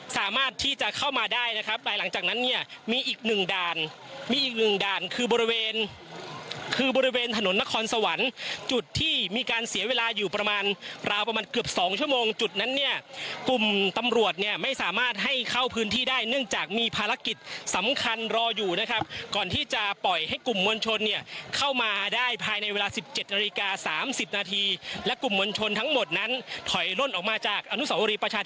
สามารถที่จะเข้ามาได้นะครับแต่หลังจากนั้นเนี่ยมีอีกหนึ่งด่านมีอีกหนึ่งด่านคือบริเวณคือบริเวณถนนนครสวรรค์จุดที่มีการเสียเวลาอยู่ประมาณราวประมาณเกือบสองชั่วโมงจุดนั้นเนี่ยกลุ่มตำรวจเนี่ยไม่สามารถให้เข้าพื้นที่ได้เนื่องจากมีภารกิจสำคัญรออยู่นะครับก่อนที่จะปล่อยให้กลุ่มวลช